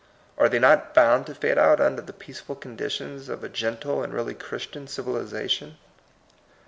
Are they not bound to fade out under the peaceful conditions of a gentle and really Christian civilization